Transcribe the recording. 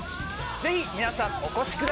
ぜひ皆さんお越しください！